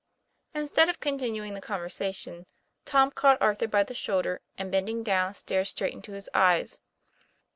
Instead of continuing the conversation, Tom caught Arthur by the shoulders and bending down stared straight into his eyes.